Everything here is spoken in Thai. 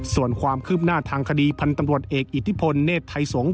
ส่วนความคืบหน้าทางคดีพันธ์ตำรวจเอกอิทธิพลเนธไทยสงศ์